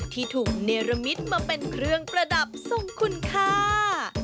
ที่ถูกเนรมิตมาเป็นเครื่องประดับทรงคุณค่า